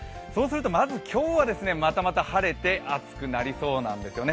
まず今日は、またまた晴れて暑くなりそうなんですよね。